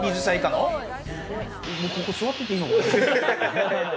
ここ座ってていいのかな？